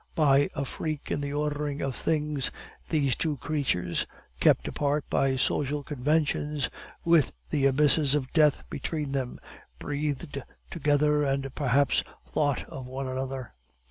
By a freak in the ordering of things, these two creatures, kept apart by social conventions, with the abysses of death between them, breathed together and perhaps thought of one another.